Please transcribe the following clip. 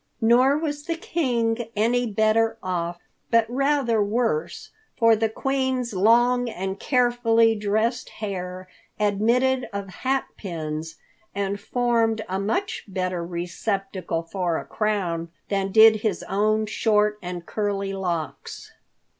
Nor was the King any better off, but rather worse, for the Queen's long and carefully dressed hair admitted of hat pins and formed a much better receptacle for a crown than did his own short and curly locks.